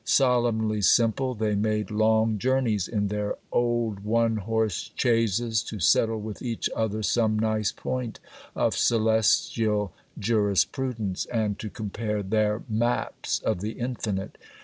Solemnly simple, they made long journeys in their old one horse chaises to settle with each other some nice point of celestial jurisprudence, and to compare their maps of the Infinite.